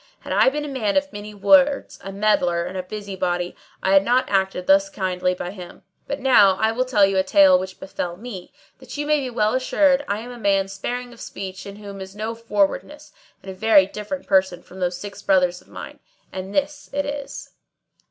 Had I been a man of many words, a meddler, a busy body, I had not acted thus kindly by him; but now I will tell you a tale which befell me, that you may be well assured I am a man sparing of speech in whom is no forwardness and a very different person from those six Brothers of mine; and this it is."